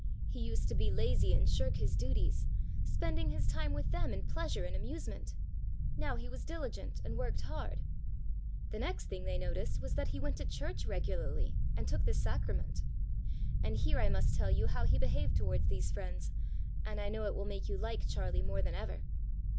He used to be lazy and shirk his studies, spending his time with them in pleasure and amusement, now he was diligent and worked hard. The next thing they noticed was that he went to church regularly and took the Sacrament. And here I must tell you how he behaved towards these friends, and I know it will make you like Charlie more than ever.